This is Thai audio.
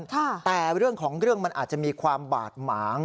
แต่เรื่องของเรื่องมันอาจจะมีความบาดหมาง